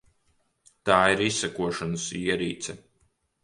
Tā ir izsekošanas ierīce.